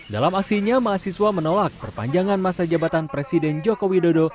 dalam aksinya mahasiswa menolak perpanjangan masa jabatan presiden joko widodo